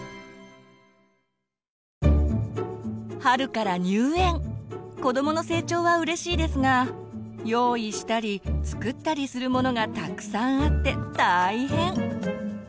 春から入園子どもの成長はうれしいですが用意したり作ったりするものがたくさんあって大変。